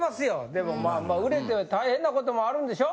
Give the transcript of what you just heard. でもまあ売れて大変なこともあるんでしょ？